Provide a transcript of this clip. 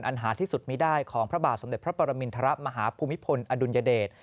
หาที่สุดไม่ได้ของพระบาทสมเด็จพระปรมินทรมาฮภูมิพลอดุลยเดช